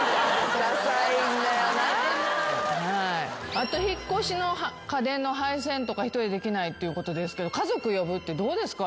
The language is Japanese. あと引っ越しの家電の配線とか１人でできないってことですけど家族呼ぶってどうですか？